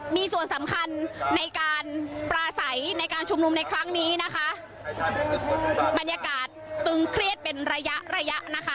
มีส่วนสำคัญในการปลาใสในการชุมนุมในครั้งนี้นะคะบรรยากาศตึงเครียดเป็นระยะระยะนะคะ